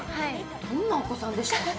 どんなお子さんでした？